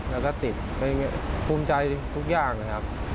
แล้วก็ติดภูมิใจทุกอย่างนะครับ